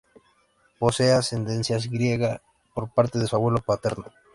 Posee ascendencia griega por parte de su abuelo paterno.